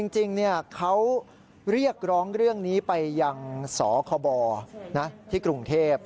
จริงเขาเรียกร้องเรื่องนี้ไปยังสคบที่กรุงเทพ